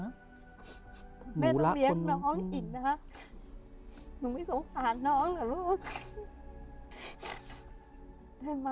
แม่ต้องเรียกน้องอิ่งนะหนูไม่สงสารน้องน่ะลูก